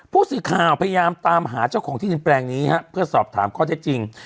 ผู้สื่อข่าวพยายามตามหาเจ้าของที่ดินแปลงนี้ฮะเพื่อสอบถามข้อเท็จจริง